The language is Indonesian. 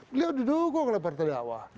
beliau didukung oleh partai dakwah